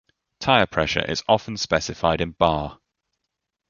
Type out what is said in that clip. Tire pressure is often specified in bar.